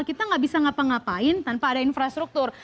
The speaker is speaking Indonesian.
kita nggak bisa ngapa ngapain tanpa ada infrastruktur